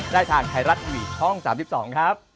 ให้ฉันเป็นแมวตัวปลอด